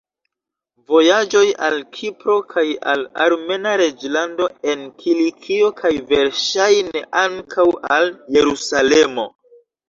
Vojaĝoj al Kipro kaj al Armena reĝlando en Kilikio, kaj verŝajne ankaŭ al Jerusalemo.